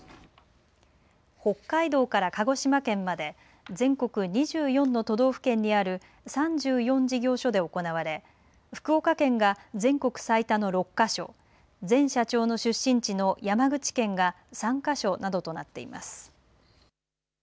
北海道から鹿児島県まで全国２４の都道府県にある３４事業所で行われ、福岡県が全国最多の６か所前社長の出身地の山口県が３か所などとなっています。